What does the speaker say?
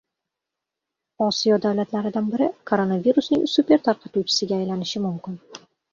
Osiyo davlatlaridan biri koronavirusning «supertarqatuvchisi»ga aylanishi mumkin